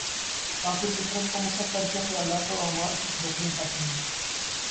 کافر فطرت کو مسخ کر کے خیالات و اعمال کی ٹھوکریں کھاتے ہیں